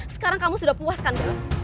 sekarang kamu sudah puas kan bilang